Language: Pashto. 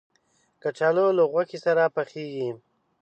کچالو له غوښې سره پخېږي